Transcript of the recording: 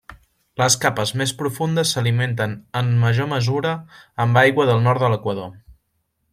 Les capes més profundes s'alimenten en major mesura amb aigua del nord de l'equador.